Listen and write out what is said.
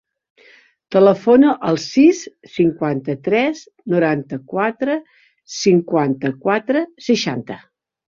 Telefona al sis, cinquanta-tres, noranta-quatre, cinquanta-quatre, seixanta.